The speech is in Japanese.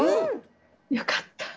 よかった！